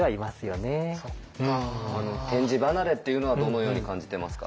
点字離れっていうのはどのように感じてますか？